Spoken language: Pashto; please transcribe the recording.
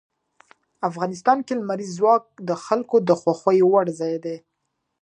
افغانستان کې لمریز ځواک د خلکو د خوښې وړ ځای دی.